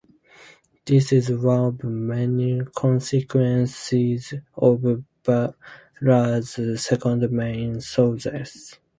This is one of many consequences of Brauer's second main theorem.